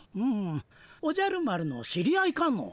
おじゃる丸の知り合いかの？